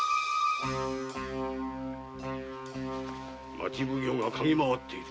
町奉行がかぎまわっている。